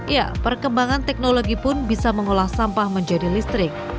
ya perkembangan teknologi pun bisa mengolah sampah menjadi listrik